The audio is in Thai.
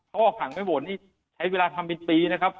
เขาก็พังให้หมดหาเวลาทำไปปีนะครับ